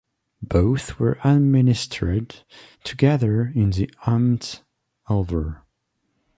Both were administered together in the Amt Halver.